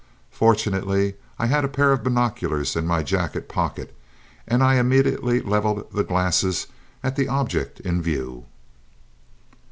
Fortunately, I had a pair of binoculars in my jacket pocket, and I immediately levelled the glasses at the object in view.